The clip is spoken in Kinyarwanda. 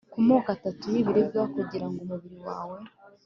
ku moko atatu y'ibiribwa kugira ngo umubiri wawe